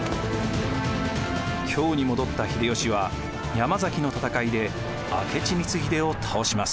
京に戻った秀吉は山崎の戦いで明智光秀を倒します。